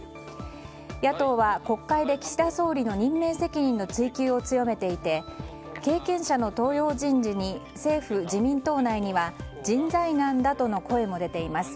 野党は国会で岸田総理の任命責任の追及を強めていて経験者の登用人事に政府・自民党内には人材難だとの声も出ています。